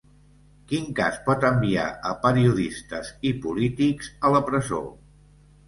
Quin cas pot enviar a periodistes i polítics a la presó?